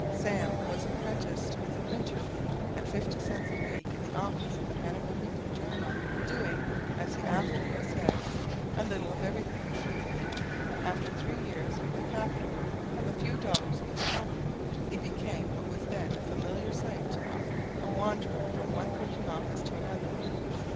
"Sam" was apprenticed as a printer at 50 cents a week in the office of The Hannibal Weekly Journal, doing as he afterward said, "a little of everything." After three years with a capital of a few dollars in his pocket, he became what was then a familiar sight, a wanderer from one printing office to another.